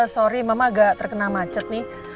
sorry memang agak terkena macet nih